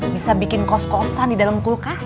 bisa bikin kos kosan di dalam kulkas